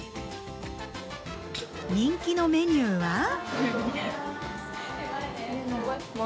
人気のメニューは？